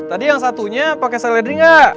tadi yang satunya pakai seledri nggak